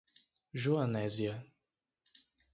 Joanésia